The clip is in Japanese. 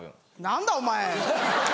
何だお前！